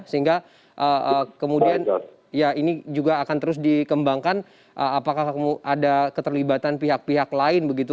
sehingga kemudian ya ini juga akan terus dikembangkan apakah ada keterlibatan pihak pihak lain begitu